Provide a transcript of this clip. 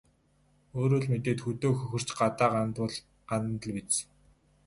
Өөрөө л мэдээд хөдөө хөхөрч, гадаа гандвал гандана л биз.